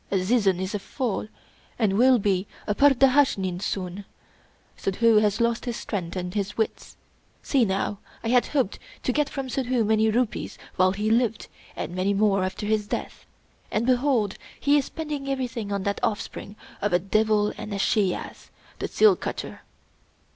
Azizun is a fool, and will be a pur dahnashin soon. Suddhoo has lost his strength and his wits. See now! I had hoped to get from Suddhoo many rupees while he lived, and many more after his death; and behold, he is spending everything on that offspring of a devil and a she ass, the seal cutter!"